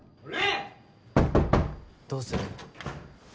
・どうする？